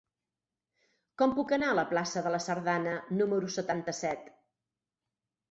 Com puc anar a la plaça de la Sardana número setanta-set?